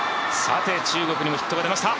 中国にもヒットが出ました。